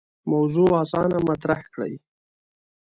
موضوع اسانه مطرح کړي.